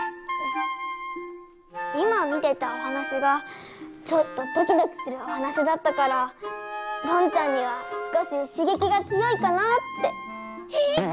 今見てたおはなしがちょっとドキドキするおはなしだったからぽんちゃんには少ししげきが強いかなぁって。え！